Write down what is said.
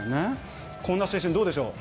こんな写真どうでしょう？